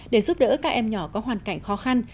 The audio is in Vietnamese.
để giúp đỡ các em nhỏ có hoàn cảnh khó khăn